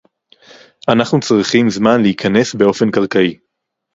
אנחנו צריכים זמן להיכנס באופן קרקעי